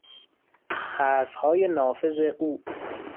حرفهای نافذ او